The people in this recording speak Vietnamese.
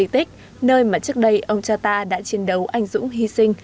nhưng đối với dân tộc nơi mà trước đây ông cha ta đã chiến đấu anh dũng hy sinh